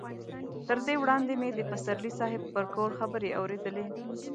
تر دې وړاندې مې د پسرلي صاحب پر کور خبرې اورېدلې.